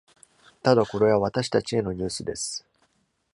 ただ、これは私たちへのニュースです。